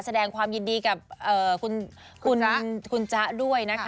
แสดงความยินดีกับคุณจ๊ะด้วยนะคะ